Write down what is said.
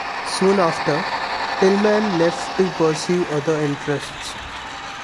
Soon after, Tillman left to pursue other interests.